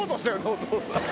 お父さん。